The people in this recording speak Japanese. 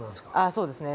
そうですね。